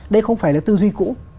đây không phải là tư duy cũ